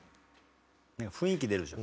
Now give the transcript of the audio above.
雰囲気出るでしょ？